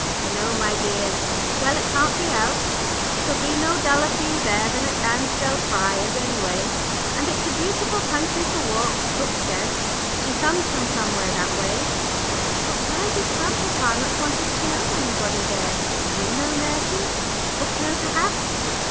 "I know, my dears. Well, it can't be helped. It'll be no duller for you there than at Ansdell Friars, any way, and it's a beautiful country for walks, cook says. She comes from somewhere that way." "But why does grandpapa not want us to know anybody there do you know, nursey? Does cook know, perhaps?"